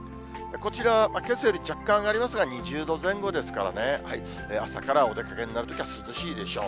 こちらはけさより若干上がりますが、２０度前後ですからね、朝からお出かけになるときは涼しいでしょう。